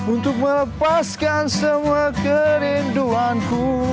untuk melepaskan semua kerinduanku